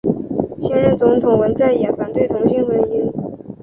现任总统文在寅反对同性婚姻。